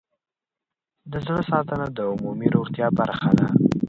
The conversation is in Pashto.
د زړه ساتنه د عمومي روغتیا برخه ده.